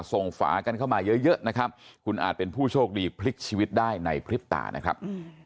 ฝากันเข้ามาเยอะนะครับคุณอาจเป็นผู้โชคดีพลิกชีวิตได้ในพริบตานะครับ